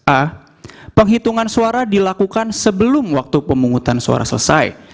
a penghitungan suara dilakukan sebelum waktu pemungutan suara selesai